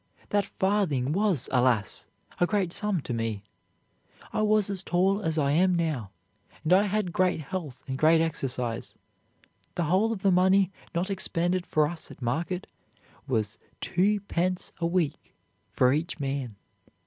That farthing was, alas! a great sum to me. I was as tall as I am now, and I had great health and great exercise. The whole of the money not expended for us at market was twopence a week for each man.